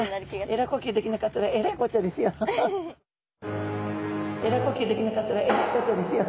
エラ呼吸できなかったらエラいこっちゃですよ。